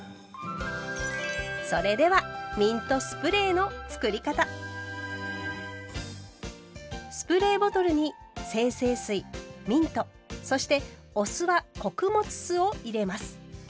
それではスプレーボトルに精製水ミントそしてお酢は穀物酢を入れます。